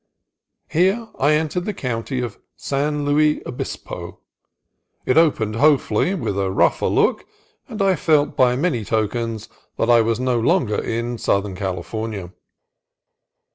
Here I entered the county of San Luis Obispo. It opened hopefully, with a rougher look, and I felt by many tokens that I was no longer in southern California.